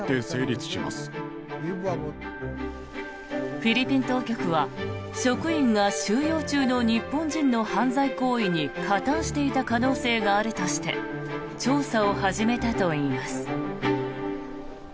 フィリピン当局は職員が収容中の日本人の犯罪行為に加担していた可能性があるとして調査を始めたといいます。